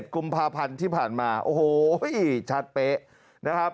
กุมภาพันธ์ที่ผ่านมาโอ้โหชัดเป๊ะนะครับ